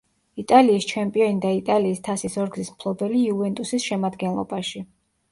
იტალიის ჩემპიონი და იტალიის თასის ორგზის მფლობელი „იუვენტუსის“ შემადგენლობაში.